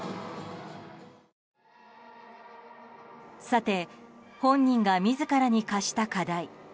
さて、本人が自らに課した課題